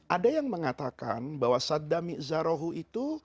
ada yang mengatakan bahwa wasaddami'zarohu itu